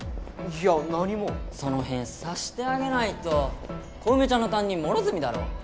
いや何もその辺察してあげないと小梅ちゃんの担任両角だろ？